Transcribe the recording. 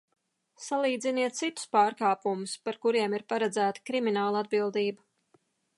Salīdziniet citus pārkāpumus, par kuriem ir paredzēta kriminālatbildība!